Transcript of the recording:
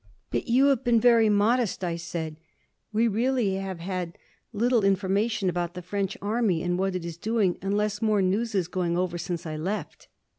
"But you have been very modest," I said. "We really have had little information about the French Army and what it is doing, unless more news is going over since I left."